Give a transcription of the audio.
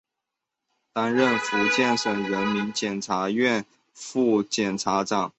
担任福建省人民检察院副检察长。